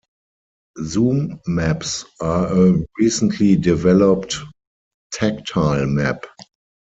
Zoom maps are a recently developed tactile map.